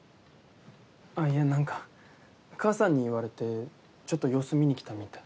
いやなんか母さんに言われてちょっと様子見に来たみたい。